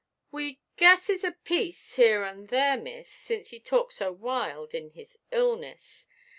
"We guesses a piece here and there, miss, since he talk so wild in his illness.